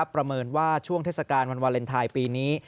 ประเมินว่าช่วงเทศกาลวันวาเลนไทยปีนี้